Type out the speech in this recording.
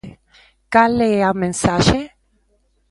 ¿Cal é a mensaxe?